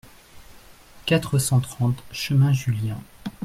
quatre cent trente chemin Jullien